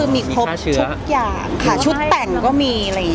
มีค็อกทุกอย่างเขาชุดแต่งก็มี